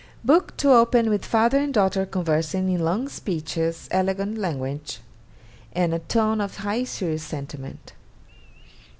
Book to open with father and daughter conversing in long speeches, elegant language, and a tone of high serious sentiment.